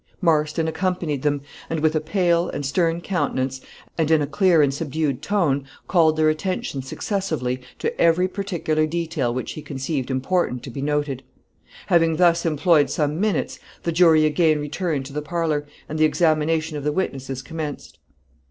Marston accompanied them, and with a pale and stern countenance, and in a clear and subdued tone, called their attention successively to every particular detail which he conceived important to be noted. Having thus employed some minutes, the jury again returned to the parlor, and the examination of the witnesses commenced.